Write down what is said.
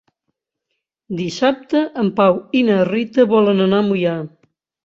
Dissabte en Pau i na Rita volen anar a Moià.